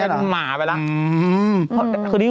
มันเหมือนอ่ะ